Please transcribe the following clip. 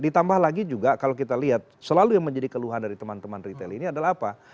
ditambah lagi juga kalau kita lihat selalu yang menjadi keluhan dari teman teman retail ini adalah apa